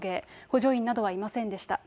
補助員などはいませんでした。